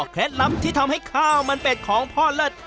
แค่น้ำที่ทำให้ข้าวมันเป็ดของพ่อเล็ก